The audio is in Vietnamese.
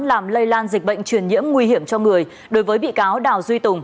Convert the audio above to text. làm lây lan dịch bệnh truyền nhiễm nguy hiểm cho người đối với bị cáo đào duy tùng